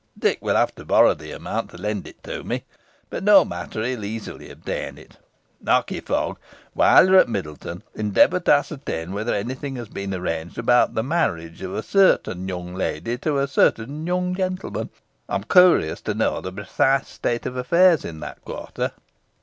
Dick will have to borrow the amount to lend it to me; but, no matter, he will easily obtain it. Harkye, Fogg, while you are at Middleton, endeavour to ascertain whether any thing has been arranged about the marriage of a certain young lady to a certain young gentleman. I am curious to know the precise state of affairs in that quarter."